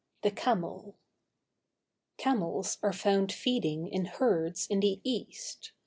THE CAMEL. Camels are found feeding in herds in the East.